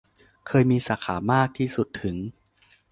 เคยมีสาขามากที่สุดถึง